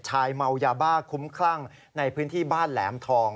ชายเมายาบ้าคุ้มคลั่งในพื้นที่บ้านแหลมทอง